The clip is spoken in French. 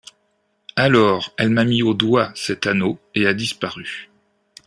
Alors elle m’a mis au doigt cet anneau, et a disparu.